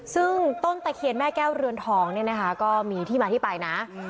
ซึ่งต้นตะเคียนแม่แก้วเรือนทองเนี่ยนะคะก็มีที่มาที่ไปนะ